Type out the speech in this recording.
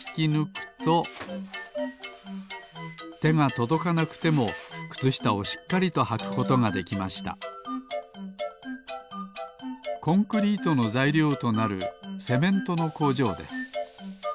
とどかなくてもくつしたをしっかりとはくことができましたコンクリートのざいりょうとなるセメントの工場です。